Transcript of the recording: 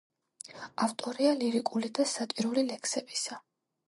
ავტორია ლირიკული და სატირული ლექსებისა.